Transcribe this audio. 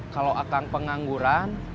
kalau akang pengangguran